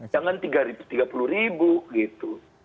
jangan tiga puluh ribu gitu